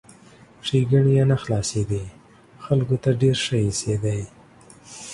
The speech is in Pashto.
ښېګڼې یې نه خلاصېدې ، خلکو ته ډېر ښه ایسېدی!